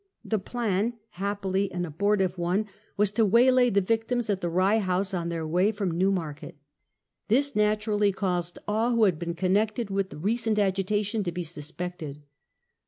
The plan — happily an abortive one — DEATH OF CHARLES II. 87 was to waylay the victims at the Rye House on their way from Newmarket. This naturally caused all who had been connected with the recent agitation to be suspected.